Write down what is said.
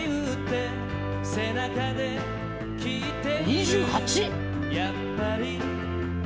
２８！？